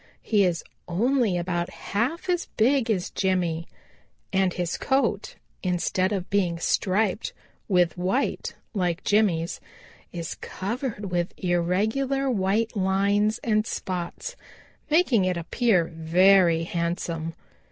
He is only about half as big as Jimmy, and his coat, instead of being striped with white like Jimmy's, is covered with irregular white lines and spots, making it appear very handsome.